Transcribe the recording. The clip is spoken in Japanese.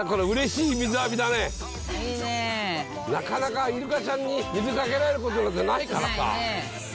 なかなかイルカちゃんに水かけられることなんてないからさ。